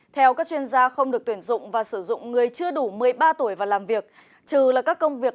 theo các chuyên gia không được tuyển dụng và sử dụng người chưa đủ một mươi ba tuổi và làm việc trừ là các công việc